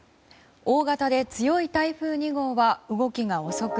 大型で強い台風２号は動きが遅く